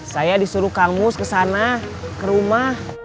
saya disuruh kang mus kesana ke rumah